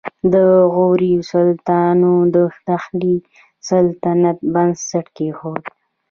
د غوري سلطانانو د دهلي سلطنت بنسټ کېښود